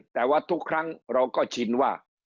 แต่ว่าทุกครั้งเราก็ชินว่า